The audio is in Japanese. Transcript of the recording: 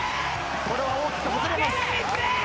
これは大きく外れます。